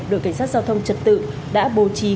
đội cảnh sát giao thông trật tự đã bố trí